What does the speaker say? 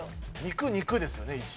肉肉ですよね